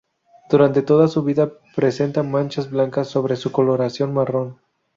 Durante toda su vida presenta manchas blancas sobre su coloración marrón.